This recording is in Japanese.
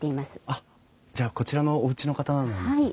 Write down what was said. あっじゃあこちらのおうちの方なんですね。